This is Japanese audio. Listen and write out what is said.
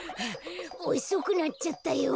おそくなっちゃったよ。